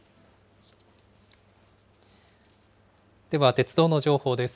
鉄道の情報です。